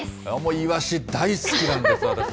いわし、大好きなんです、私。